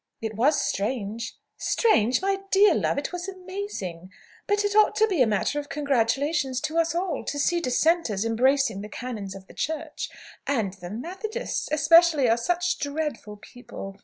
"It was strange." "Strange! My dear love, it was amazing. But it ought to be a matter of congratulation to us all, to see Dissenters embracing the canons of the Church! And the Methodists, especially, are such dreadful people.